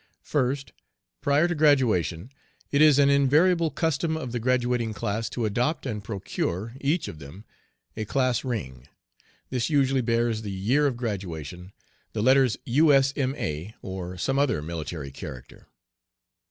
First, prior to graduation it is an invariable custom of the graduating class to adopt and procure, each of them, a class ring. This usually bears the year of graduation, the letters U. S. M. A., or some other military character.